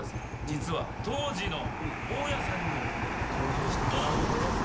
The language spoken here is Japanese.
実は当時の大家さんにも登場してもらおうと思います。